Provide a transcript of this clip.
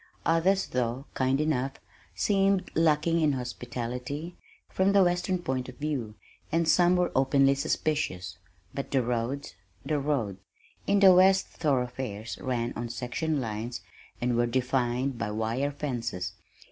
Others though kind enough, seemed lacking in hospitality, from the western point of view, and some were openly suspicious but the roads, the roads! In the west thoroughfares ran on section lines and were defined by wire fences.